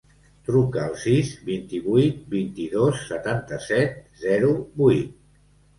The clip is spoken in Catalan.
Truca al sis, vint-i-vuit, vint-i-dos, setanta-set, zero, vuit.